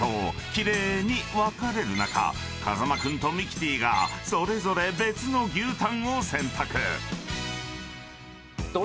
［奇麗に分かれる中風間君とミキティがそれぞれ別の牛たんを選択］